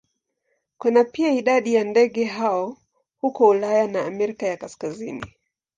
Kuna pia idadi ya ndege hao huko Ulaya na Amerika ya Kaskazini.